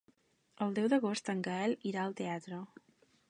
El deu d'agost en Gaël irà al teatre.